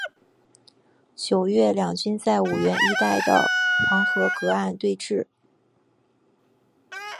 九月两军在五原一带的黄河隔岸对峙。